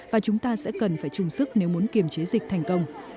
và chúng ta sẽ cần phải chung sức nếu muốn kiềm chế dịch thành công